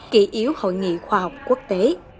kỹ yếu hội nghị khoa học quốc tế